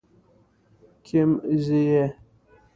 کيم ځي ئې